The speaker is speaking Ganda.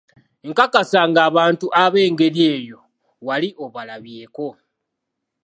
Nkakasa ng'abantu ab'engeri eyo wali obalabyeko.